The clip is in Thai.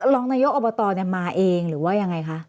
รองนายกอบตมาเองหรือว่ายังไงคะ